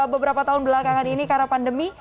beberapa tahun belakangan ini karena pandemi